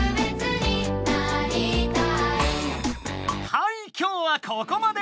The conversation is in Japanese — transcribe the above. はい今日はここまで！